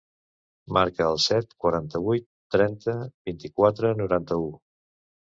Marca el set, quaranta-vuit, trenta, vint-i-quatre, noranta-u.